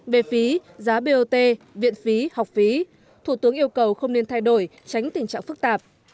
về phí giá bot viện phí học phí thủ tướng yêu cầu không nên thay đổi tránh tình trạng phức tạp